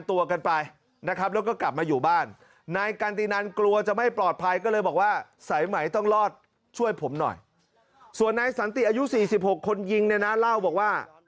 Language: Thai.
อายุ๔๖คนยิงเนี่ยนะเล่าบอกว่า